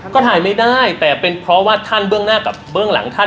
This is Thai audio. ก็ถ่ายไม่ได้แต่เป็นเพราะว่าท่านเบื้องหน้ากับเบื้องหลังท่าน